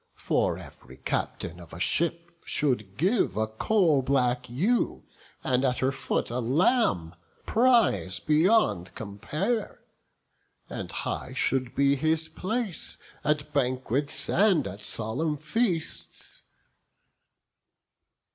For ev'ry captain of a ship should give A coal black ewe, and at her foot a lamb, A prize beyond compare; and high should be His place at banquets and at solemn feasts."